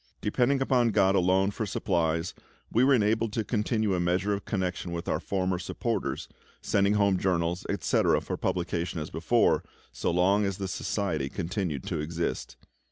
Depending upon GOD alone for supplies, we were enabled to continue a measure of connection with our former supporters, sending home journals, etc., for publication as before, so long as the Society continued to exist.